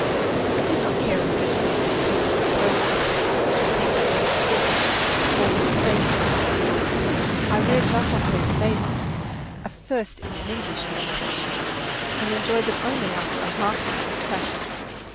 I did not care especially for "The Pilgrim's Progress," which I think I did not finish, or for the "Fables." I read La Fontaine's "Fables" first in an English translation, and enjoyed them only after a half hearted fashion.